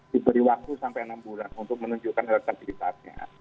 diberi waktu sampai enam bulan untuk menunjukkan elektabilitasnya